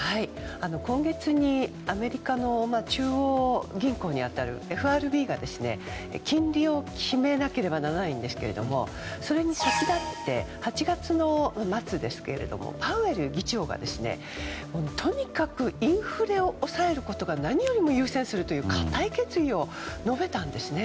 今月にアメリカの中央銀行に当たるＦＲＢが金利を決めなければならないんですがそれに先立って８月の末ですけれどもパウエル議長がとにかくインフレを抑えることが何よりも優先するという固い決意を述べたんですね。